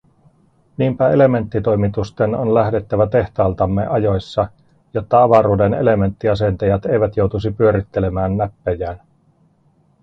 Niinpä elementtitoimitusten on lähdettävä tehtaaltamme ajoissa, jotta avaruuden elementtiasentajat eivät joutuisi pyörittelemään näppejään.